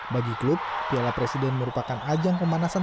bagi klub piala presiden merupakan ajang pemanasan